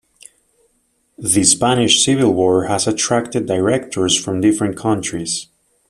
The Spanish Civil War has attracted directors from different countries.